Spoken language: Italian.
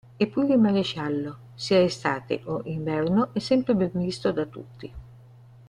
Eppure il maresciallo, sia estate o inverno, è sempre ben visto da tutti.